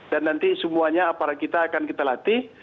dan nanti semuanya aparat kita akan kita latih